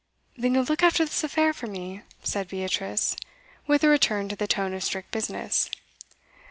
'Then you'll look after this affair for me?' said Beatrice, with a return to the tone of strict business.